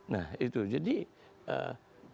nah itu jadi eee